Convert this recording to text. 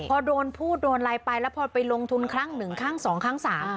พอโดนพูดโดนไลน์ไปแล้วพอไปลงทุนครั้งหนึ่งครั้งสองครั้งสาม